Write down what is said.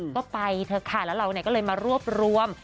ก็ไปเถอะค่ะแล้วเราก็เลยมารวบรวม